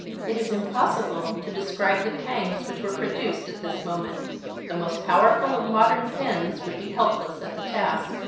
It is impossible to describe the pangs which were produced at this moment. The most powerful of modern pens would be helpless at the task.